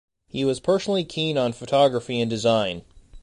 He was personally keen on photography and design.